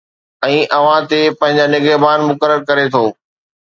۽ اوهان تي پنهنجا نگهبان مقرر ڪري ٿو